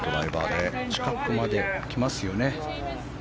近くまで来ますよね。